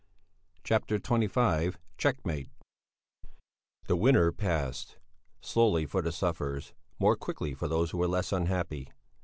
CHAPTER XXV CHECKMATE The winter passed; slowly for the sufferers, more quickly for those who were less unhappy.